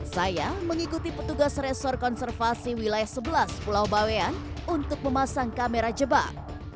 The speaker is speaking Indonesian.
saya mengikuti petugas resor konservasi wilayah sebelas pulau bawean untuk memasang kamera jebak